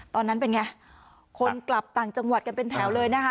ตอนนั้นเป็นไงคนกลับต่างจังหวัดกันเป็นแถวเลยนะคะ